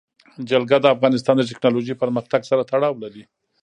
جلګه د افغانستان د تکنالوژۍ پرمختګ سره تړاو لري.